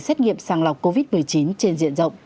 xét nghiệm sàng lọc covid một mươi chín trên diện rộng